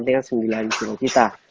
tinggal sembilan juta